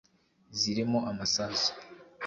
zirimo amasasu